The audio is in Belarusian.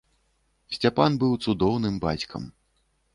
Сцяпан быў цудоўным бацькам.